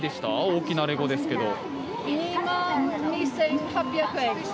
大きなレゴですけど。